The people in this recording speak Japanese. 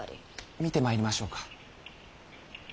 見てまいりましょうか？